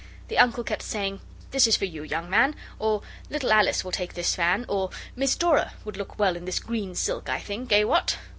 The Uncle kept saying, 'This is for you, young man,' or 'Little Alice will like this fan,' or 'Miss Dora would look well in this green silk, I think. Eh! what?